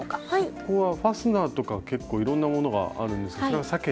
そこはファスナーとか結構いろんなものがあるんですがそれは避けて。